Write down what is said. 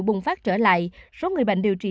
bùng phát trở lại số người bệnh điều trị